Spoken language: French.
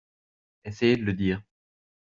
Essayez de le dire.